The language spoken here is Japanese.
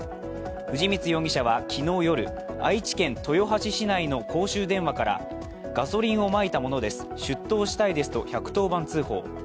藤光容疑者は昨日夜愛知県豊橋市内の公衆電話からガソリンをまいたものです、出頭したいですと１１０番通報。